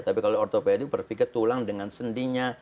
tapi kalau ortopedi berpikir tulang dengan sendinya